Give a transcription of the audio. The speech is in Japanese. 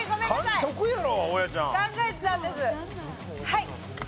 はい！